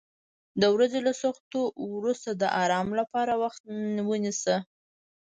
د ورځې له سختیو وروسته د آرام لپاره وخت ونیسه.